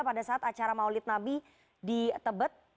pada saat acara maulid nabi di tebet